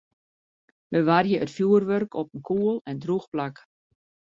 Bewarje it fjoerwurk op in koel en drûch plak.